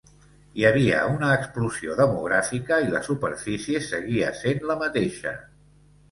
Hi havia una explosió demogràfica i la superfície seguia sent la mateixa.